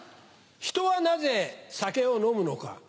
人はなぜ酒を飲むのか？